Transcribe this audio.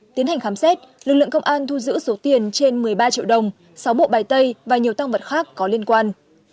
tiến hành khám xét lực lượng công an thu giữ số tiền trên một mươi ba triệu đồng sáu bộ bài tay và nhiều tăng vật khác có liên quan